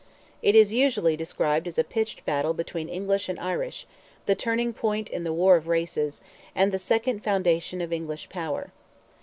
It is usually described as a pitched battle between English and Irish—the turning point in the war of races—and the second foundation of English power.